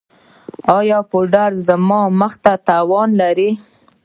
ایا پوډر زما مخ ته تاوان لري؟